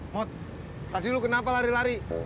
mot tadi lu kenapa lari lari